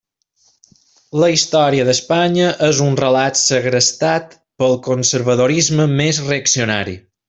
La història d'Espanya és un relat segrestat pel conservadorisme més reaccionari.